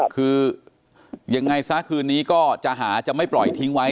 คือยังไงซะคืนนี้ก็จะหาจะไม่ปล่อยทิ้งไว้